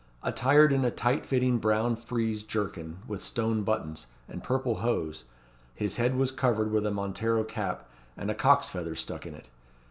Attired in a tight fitting brown frieze jerkin with stone buttons, and purple hose, his head was covered with a montero cap, with a cock's feather stuck in it.